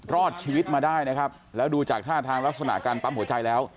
รอดชีวิตมาได้นะครับแล้วดูจากท่าทางลักษณะการปั๊มหัวใจแล้ว